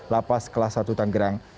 lapas kelas satu tangerang